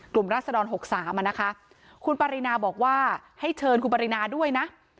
รัศดร๖๓อ่ะนะคะคุณปรินาบอกว่าให้เชิญคุณปรินาด้วยนะ